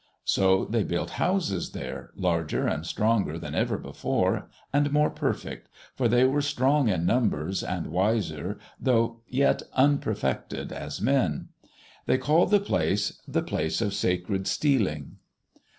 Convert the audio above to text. So they built houses there, larger and stronger than ever before, and more perfect, for they were strong in numbers and wiser, though yet unperfected as men. They called the place "The Place of Sacred Stealing."